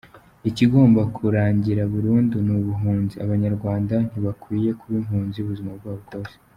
Ikigomba kurangira burundu ni ubuhunzi, Abanyarwanda ntibakwiye kuba impunzi ubuzima bwabo bwose.